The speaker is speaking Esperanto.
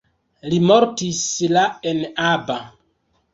Li mortis la en Aba.